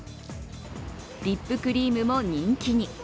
リップクリームも人気に。